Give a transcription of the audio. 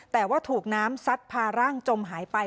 แต่ว่าถูกน้ำซัดพาร่างจมหายไป